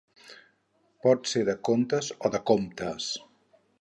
Pot ser de contes o de comptes.